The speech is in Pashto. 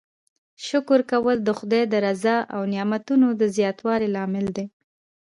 شکر کول د خدای د رضا او نعمتونو د زیاتوالي لامل دی.